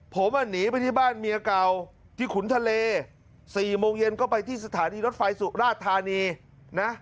ผมหนีไปที่บ้านเมียเก่าที่ขุนทะเล๔โมงเย็นก็ไปที่สถานีรถไฟสุราชธานีนะ